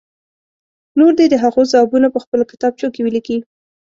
نور دې د هغو ځوابونه په خپلو کتابچو کې ولیکي.